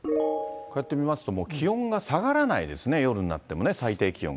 こうやって見ますと、もう気温が下がらないですね、夜になってもね、はい。